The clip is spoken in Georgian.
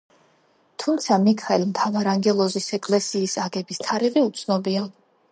თუმცა მიქაელ მთავარანგელოზის ეკლესიის აგების თარიღი უცნობია.